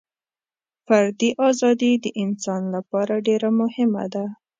فردي ازادي د انسان لپاره ډېره مهمه ده.